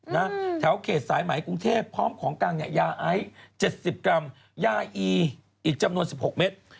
แถวเขตสายไหมกรุงเทพฯพร้อมของกางยาไอ้๗๐กรัมยาอีอีกจำนวน๑๖เมตร